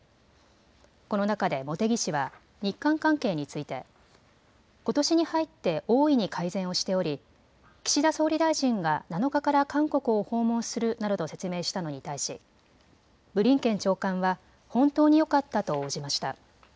この中で茂木氏は日韓関係についてことしに入って大いに改善をしており岸田総理大臣が７日から韓国を訪問するなどと説明したのに対しブリンケン長官は本当によかったと応じました。